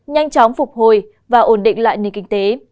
nhanh chóng phục hồi và ổn định lại nền kinh tế